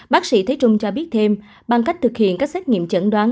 bác sĩ thế trung cho biết thêm bằng cách thực hiện các xét nghiệm chẩn đoán